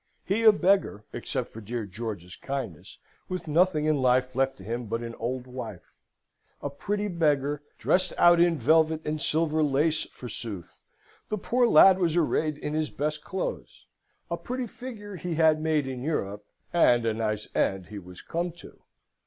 He a beggar, except for dear George's kindness, with nothing in life left to him but an old wife, a pretty beggar, dressed out in velvet and silver lace forsooth the poor lad was arrayed in his best clothes a pretty figure he had made in Europe, and a nice end he was come to!